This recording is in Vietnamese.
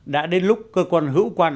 đã đến lúc cơ quan hữu quan